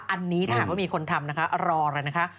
อันนี้ถ้าหากว่ามีคนทำนะคะรอเลยนะคะ